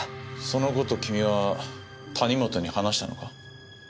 その事を君は谷本に話したのか？